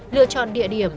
lựa chọn địa điểm